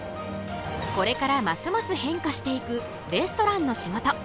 これからますます変化していくレストランの仕事。